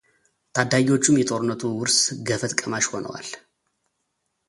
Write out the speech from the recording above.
ታዳጊዎቹም የጦርነቱ ውርስ ገፈት ቀማሽ ሆነዋል።